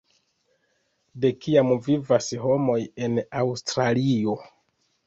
De kiam vivas homoj en Aŭstralio?